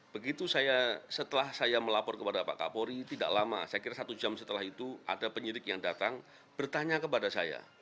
begitu saya setelah saya melapor kepada pak kapolri tidak lama saya kira satu jam setelah itu ada penyidik yang datang bertanya kepada saya